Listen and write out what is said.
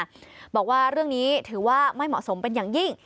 ก็ต้องเข้าไปถามมาเบื่อว่าเรื่องนี้ถือว่าไม่เหมาะสมเป็นอย่างยิ่ง